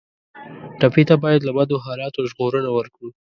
ټپي ته باید له بدو حالاتو ژغورنه ورکړو.